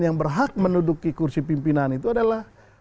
yang berhak menuduki kursi pimpinan itu adalah